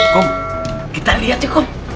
kom kita liat ya kom